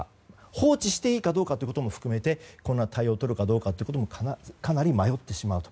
放置していいかどうかということも含めてそんな対応をとっていいのかかなり迷ってしまうと。